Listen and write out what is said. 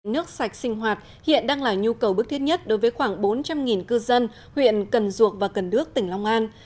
nước sạch sinh hoạt hiện đang là nhu cầu bức thiết nhất đối với khoảng bốn trăm linh cư dân huyện cần duộc và cần đước tỉnh long an